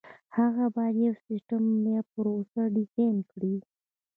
هغه باید یو سیسټم یا پروسه ډیزاین کړي.